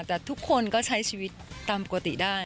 แต่ทุกคนก็ใช้ชีวิตตามปกติได้